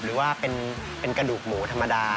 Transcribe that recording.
หรือว่าเป็นกระดูกหมูธรรมดา